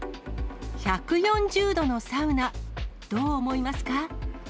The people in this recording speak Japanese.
１４０度のサウナ、どう思いますか？